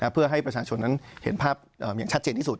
เพื่อให้ประชาชนนั้นเห็นภาพอย่างชัดเจนที่สุด